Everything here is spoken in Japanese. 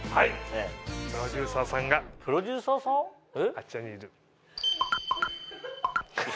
あちらにいる。